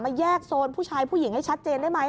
แยกโซนผู้ชายผู้หญิงให้ชัดเจนได้ไหม